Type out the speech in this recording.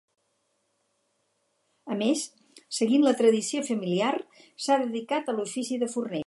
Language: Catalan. A més, seguint la tradició familiar, s'ha dedicat a l'ofici de forner.